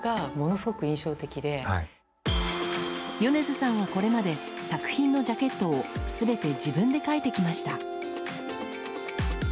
米津さんはこれまで作品のジャケットを全て自分で描いてきました。